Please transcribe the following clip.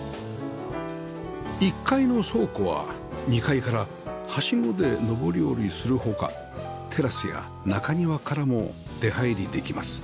１階の倉庫は２階からはしごで上り下りする他テラスや中庭からも出入りできます